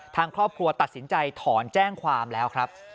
ทางครอบครัวตัดสินใจถอนแจ้งความแล้วครับ